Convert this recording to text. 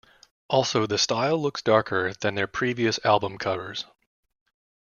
Also, the style looks darker than their previous album covers.